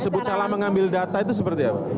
sebut salah mengambil data itu seperti apa